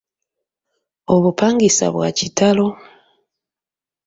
Obupangisa bwa kitalo.